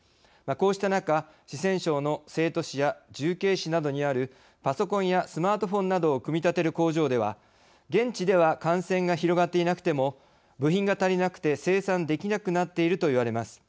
こうした中、四川省の成都市や重慶市などにあるパソコンやスマートフォンなどを組み立てる工場では現地では感染が広がっていなくても部品が足りなくて生産できなくなっているといわれます。